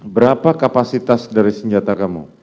berapa kapasitas dari senjata kamu